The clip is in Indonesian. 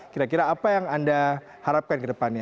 kira kira apa yang anda harapkan kedepannya